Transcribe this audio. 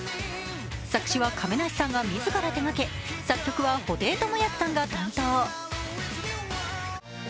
作詞は亀梨さんが自ら手がけ作曲は布袋寅泰さんが担当。